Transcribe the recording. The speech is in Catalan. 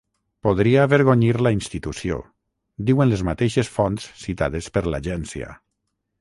“Podria avergonyir la institució”, diuen les mateixes fonts citades per l’agència.